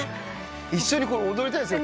一緒に踊りたいですよ。